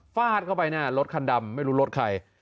ฟาดเข้าไปนะรถคันดำไม่รู้รถใคร